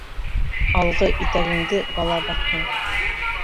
Алғы итәгеңде бала баҫһын